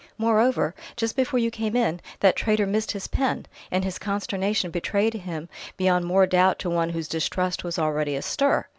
Moreover, just before you came in, that traitor missed his pen, and his consternation betrayed him beyond more doubt to one whose distrust was already astir.